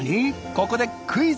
ここでクイズ！